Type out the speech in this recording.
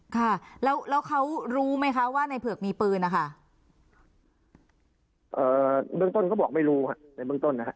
ค่ะแล้วแล้วเขารู้ไหมคะว่าในเผือกมีปืนนะคะเอ่อเบื้องต้นเขาบอกไม่รู้ค่ะในเบื้องต้นนะคะ